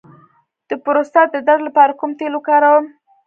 د پروستات د درد لپاره کوم تېل وکاروم؟